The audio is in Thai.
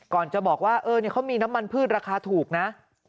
จะบอกว่าเขามีน้ำมันพืชราคาถูกนะ